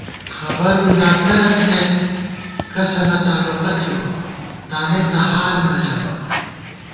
خبر بی لا کرہ تھنَئیت ، کسَنہ تالوقہ تھِبہ ، تانئ تہ حال نہ ژَمان